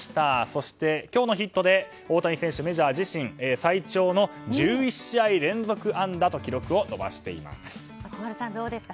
そして今日のヒットで大谷選手、メジャー自身最長の１１試合連続安打と記録を伸ばしています。